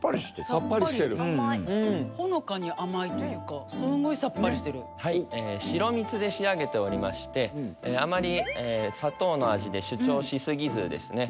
甘いほのかに甘いというかすんごいさっぱりしてる白蜜で仕上げておりましてあまり砂糖の味で主張しすぎずですね